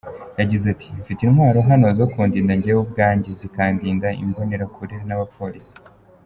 Yagize ati: “Mfite intwaro hano zo kundinda jyewe ubwanjye, zikandinda imbonerakure n’abapolisi.